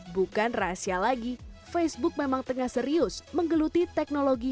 bukan rahasia lagi facebook memang tengah serius menggeluti teknologi